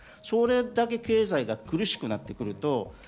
それだけ経済が苦しくなってくると。